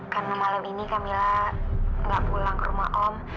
karena malam ini kamila gak pulang ke rumah om